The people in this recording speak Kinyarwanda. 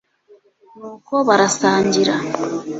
nuko barasangira